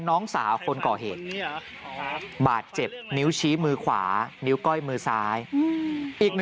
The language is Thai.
น้องสาวคนก่อเหตุบาดเจ็บนิ้วชี้มือขวานิ้วก้อยมือซ้ายอีก